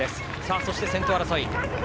そして先頭争い。